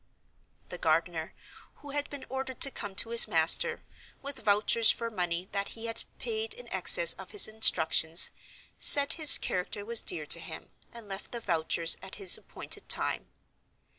The gardener, who had been ordered to come to his master, with vouchers for money that he had paid in excess of his instructions, said his character was dear to him, and left the vouchers at his appointed time.